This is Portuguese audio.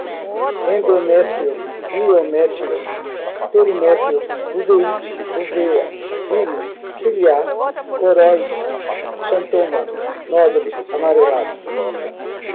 endométrio, miométrio, perimétrio, uveíte, úvea, íris, ciliar, coroide, xantoma, nódulos, amarelados